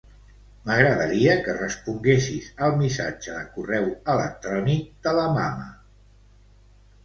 M'agradaria que responguessis al missatge de correu electrònic de la mama.